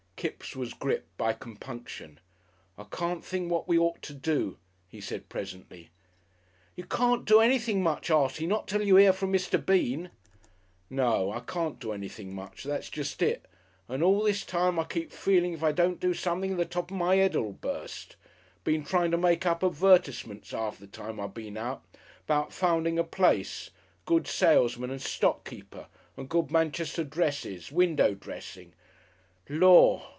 Kipps was gripped by compunction.... "I can't think what we ought to do," he said, presently. "You can't do anything much, Artie, not till you hear from Mr. Bean." "No; I can't do anything much. That's jest it. And all this time I keep feelin' if I don't do something the top of my 'ead'll bust.... Been trying to make up advertisements 'arf the time I been out 'bout finding a place, good salesman and stock keeper, and good Manchester dresses, window dressing Lor'!